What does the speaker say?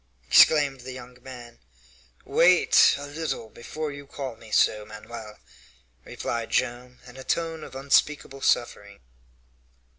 exclaimed the young man. "Wait a little before you call me so, Manoel," replied Joam, in a tone of unspeakable suffering.